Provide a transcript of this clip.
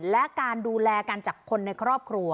และการดูแลกันจากคนในครอบครัว